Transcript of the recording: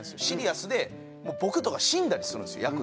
シリアスでもう僕とか死んだりするんですよ